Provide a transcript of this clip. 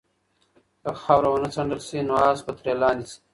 که خاوره ونه څنډل شي نو آس به ترې لاندې شي.